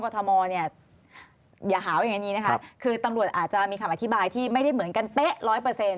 ตำรวจอาจจะมีคำอธิบายที่ไม่ได้เหมือนกันเป๊ะ๑๐๐